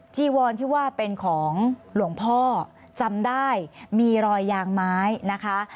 จีวอนที่ว่าเป็นของหลวงพ่อจำได้มีรอยยางไม้นะคะ